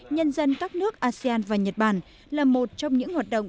nhân dân các nước asean và nhật bản là một trong những hoạt động